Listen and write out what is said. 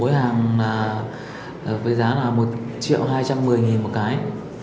chuyển hàng với giá là một triệu hai trăm một mươi nghìn một cái